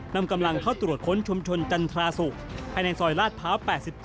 นำกำลังเข้าตรวจคนชมชนจันทราสุปฯภายในซอยลาศภาว๘๗